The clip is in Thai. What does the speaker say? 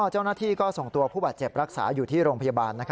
เจ้าหน้าที่ก็ส่งตัวผู้บาดเจ็บรักษาอยู่ที่โรงพยาบาล